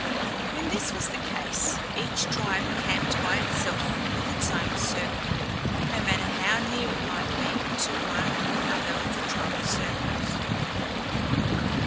When this was the case, each tribe camped by itself with its own circle, no matter how near it might be to one or other of the tribal circles.